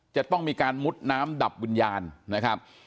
จะต้องมีการมุดน้ำดับวิญญาณนะครับ